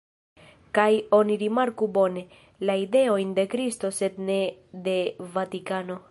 Kaj oni rimarku bone: la ideojn de Kristo sed ne de Vatikano.